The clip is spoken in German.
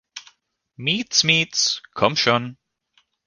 Miez, miez - komm schon!